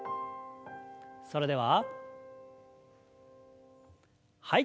それでははい。